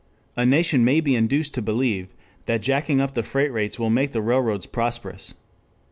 A nation may be induced to believe that jacking up the freight rates will make the railroads prosperous.